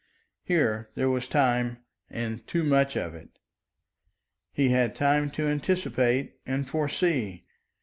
Here there was time and too much of it. He had time to anticipate and foresee.